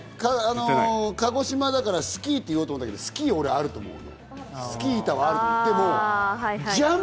鹿児島だからスキーって言おうと思ったけど、スキー板はあると思うの。